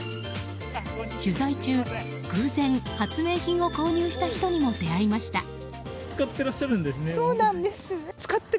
取材中、偶然発明品を購入した人にも出会いました。